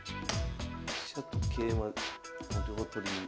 飛車と桂馬の両取り。